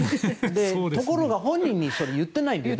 ところが本人にそれ言ってないんですよ。